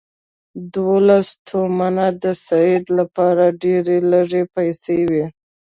دوولس تومنه د سید لپاره ډېرې لږې پیسې وې.